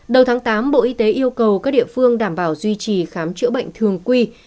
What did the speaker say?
đầu tháng tám bộ y tế yêu cầu các địa phương đảm bảo duy trì khám chữa bệnh thường quy